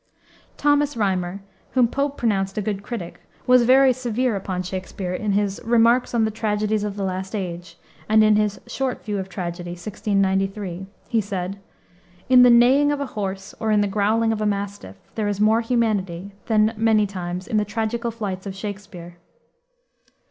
Thomas Rymer, whom Pope pronounced a good critic, was very severe upon Shakspere in his Remarks on the Tragedies of the Last Age; and in his Short View of Tragedy, 1693, he said, "In the neighing of a horse or in the growling of a mastiff, there is more humanity than, many times, in the tragical flights of Shakspere."